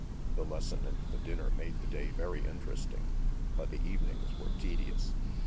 The lesson and the dinner made the day very interesting, but the evenings were tedious.